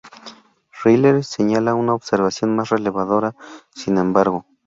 Riley señala una observación más reveladora, sin embargo.